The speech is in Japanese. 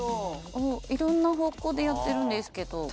いろんな方向でやってるんですけど。